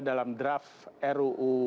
dalam draft ruu